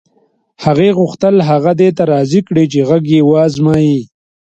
هغې غوښتل هغه دې ته راضي کړي چې غږ یې و ازمایي